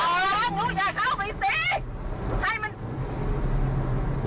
พระมองออสต์ทัพแกมีไหมนะ